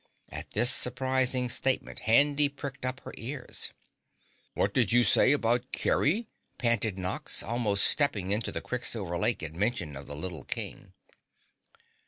At this surprising statement Handy pricked up her ears. "What did you say about Kerry?" panted Nox, almost stepping into the quicksilver lake at mention of the little King.